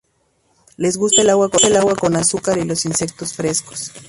Les gusta el agua con azúcar y los insectos frescos.